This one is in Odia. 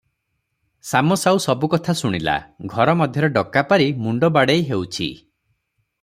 ଶାମ ସାଉ ସବୁ କଥା ଶୁଣିଲା, ଘର ମଧ୍ୟରେ ଡକା ପାରି ମୁଣ୍ଡ ବାଡ଼େଇ ହେଉଛି ।